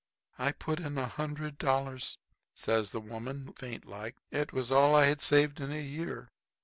"I put in a hundred dollars," says the woman, faint like. "It was all I had saved in a year.